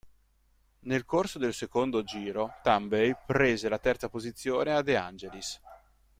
Nel corso del secondo giro Tambay prese la terza posizione a De Angelis.